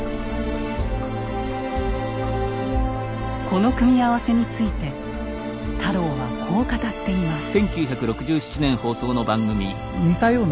この組み合わせについて太郎はこう語っています。